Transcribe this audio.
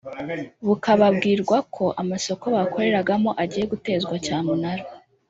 bukababwirwa ko amasoko bakoreragamo agiye gutezwa cyamunara